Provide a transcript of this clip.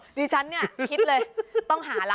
หาผู้ดิฉันเนี่ยคิดเลยต้องหาระ